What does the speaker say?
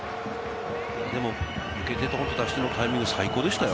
でも受け手と出し手のタイミング、最高でしたよ。